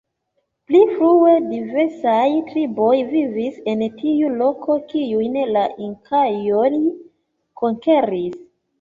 Pli frue diversaj triboj vivis en tiu loko, kiujn la inkaoj konkeris.